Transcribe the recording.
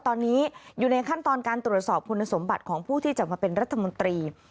ตอนนี้อยู่ในขั้นตอนการตรวจสอบคุณสมบัติของผู้ที่จะมาเป็นรัฐมนตรี